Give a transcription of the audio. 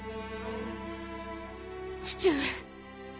父上。